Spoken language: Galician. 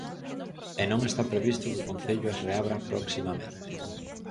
E non está previsto que o Concello as reabra proximamente.